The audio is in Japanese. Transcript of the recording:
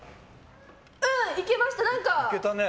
うん、いけました。